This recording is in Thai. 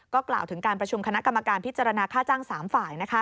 ก็กล่าวถึงการประชุมคณะกรรมการพิจารณาค่าจ้าง๓ฝ่าย